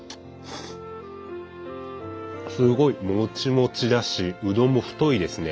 すごいもちもちだしうどんも太いですね。